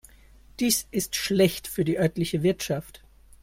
Dies ist schlecht für die örtliche Wirtschaft.